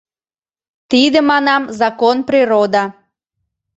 Тиде, манам, закон-природа...